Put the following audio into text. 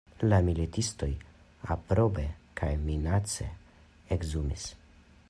La militistoj aprobe kaj minace ekzumis.